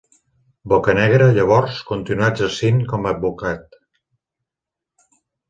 Bocanegra, llavors, continuà exercint com a avocat.